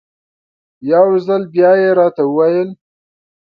یو ځل بیا یې راته وویل.